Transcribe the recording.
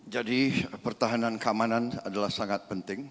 jadi pertahanan dan keamanan adalah sangat penting